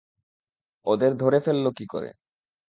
ওদের ধরে ফেলল কী করে?